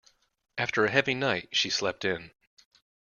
After a heavy night, she slept in.